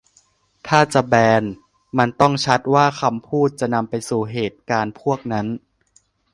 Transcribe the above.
ถ้าจะแบน มันต้องชัดว่าคำพูดจะนำไปสู่เหตุการณ์พวกนั้น